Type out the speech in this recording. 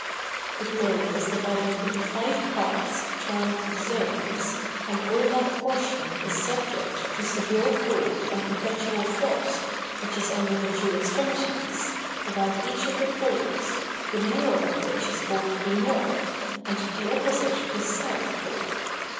The globe is divided into five parts, termed zones, and all that portion is subject to severe cold and perpetual frost, which is under the two extremities, about each of the poles, the nearer of which is called the north, and the opposite the south, pole.